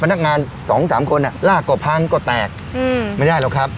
พนักงาน๒๓คนลากก็พังก็แตกไม่ได้หรอกครับ